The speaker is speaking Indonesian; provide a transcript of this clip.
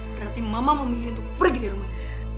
berarti mama memilih untuk pergi di rumah